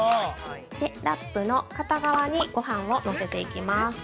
ラップの片側にごはんをのせていきます。